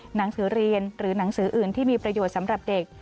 หนังสือเรียนหรือหนังสืออื่นที่มีประโยชน์สำหรับเด็ก